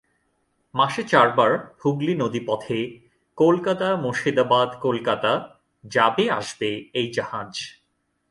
মাসে চারবার হুগলি নদী পথে কলকাতা-মুর্শিদাবাদ-কলকাতা যাবে -আসবে এই জাহাজ।